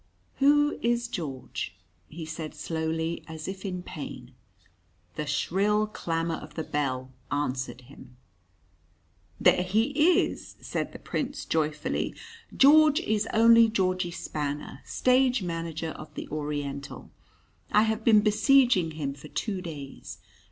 "Who is George?" he said slowly, as if in pain. The shrill clamour of the bell answered him. "There he is!" said the Prince joyfully. "George is only Georgie Spanner, stage manager of the Oriental. I have been besieging him for two days.